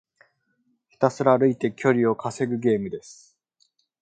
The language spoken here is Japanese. ひたすら歩いて距離を稼ぐゲームです。